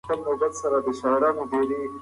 افغانیت مو ویاړ دی.